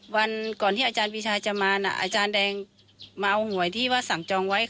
วันก่อนที่อาจารย์ปีชาจะมาน่ะอาจารย์แดงมาเอาหวยที่ว่าสั่งจองไว้